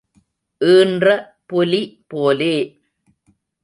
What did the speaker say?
ஈன்ற புலி போலே.